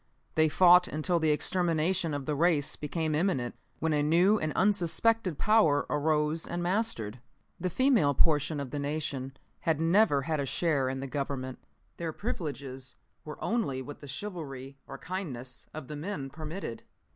They fought until the extermination of the race became imminent, when a new and unsuspected power arose and mastered. "The female portion of the nation had never had a share in the Government. Their privileges were only what the chivalry or kindness of the men permitted.